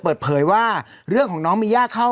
เปิดเผยว่าเรื่องของน้องมีย่าเข้า